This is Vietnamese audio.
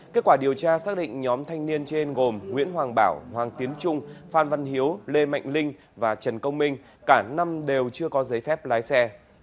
kết quả điều tra xác định nhóm thanh niên trên gồm nguyễn hoàng bảo hoàng tiến trung phan văn hiếu lê mạnh linh và trần công minh cả năm đều chưa có giấy phép lái xe